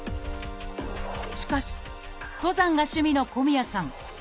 しかし登山が趣味の小宮さん。